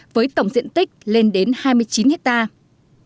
với tổng diện tích lên đến hai mươi chín hectare